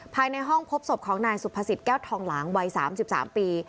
ภายในห้องพบศพของนายสุภสิตแก้วทองหลางวัยสามสิบสามปี